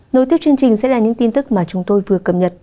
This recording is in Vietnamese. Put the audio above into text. nối tiếp chương trình sẽ là những tin tức mà chúng tôi vừa cập nhật